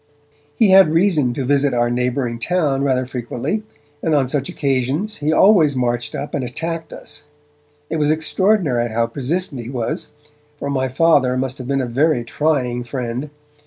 He had reason to visit our neighbouring town rather frequently, and on such occasions he always marched up and attacked us. It was extraordinary how persistent he was, for my Father must have been a very trying friend.